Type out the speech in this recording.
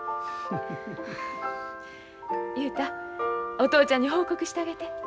お父ちゃんに報告してあげて。